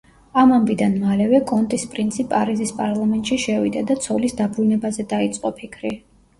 ამ ამბიდან მალევე კონტის პრინცი პარიზის პარლამენტში შევიდა და ცოლის დაბრუნებაზე დაიწყო ფიქრი.